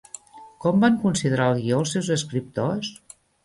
Com van considerar el guió els seus escriptors?